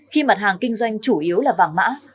khi mặt hàng kinh doanh chủ yếu là vàng mã